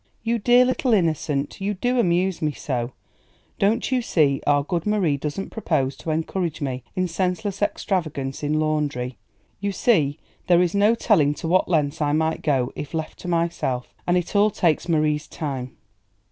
"You dear little innocent, you do amuse me so! Don't you see our good Marie doesn't propose to encourage me in senseless extravagance in laundry; you see there is no telling to what lengths I might go if left to myself, and it all takes Marie's time.